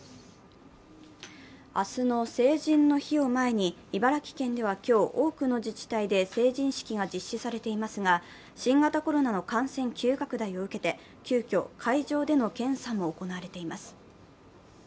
明日の成人の日を前に茨城県では今日、多くの自治体で成人式が実施されていますが新型コロナの感染急拡大を受けて、急きょ、会場での検査も行われています。